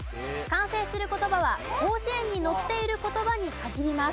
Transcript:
完成する言葉は『広辞苑』に載っている言葉に限ります。